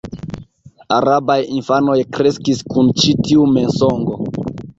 Arabaj infanoj kreskis kun ĉi tiu mensogo.